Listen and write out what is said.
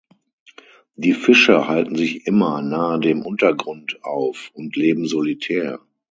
Die Fische halten sich immer nahe dem Untergrund auf und leben solitär.